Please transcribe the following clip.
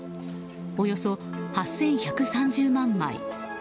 およそ８１３０万枚。